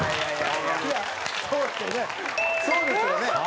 そうですよね。